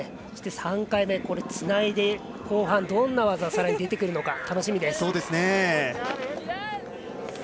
そして３回目、つないで後半どんな技がさらに出てくるか楽しみです。